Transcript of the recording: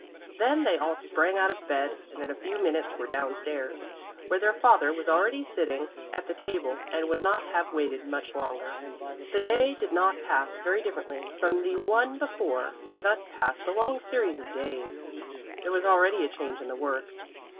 Then they all sprang out of bed and in a few minutes were down stairs, where their father was already sitting at the table and would not have waited much longer. The day did not pass very differently from the one before, and thus passed a long series of days. There was already a change in the work.